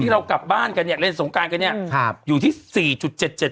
เรากลับบ้านกันเนี่ยเล่นสงการกันเนี่ยครับอยู่ที่สี่จุดเจ็ดเจ็ด